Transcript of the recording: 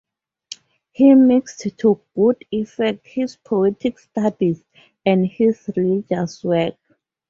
He mixed to good effect his poetic studies and his religious work.